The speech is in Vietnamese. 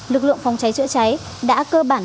lực lượng phòng cháy chữa cháy đã cơ bản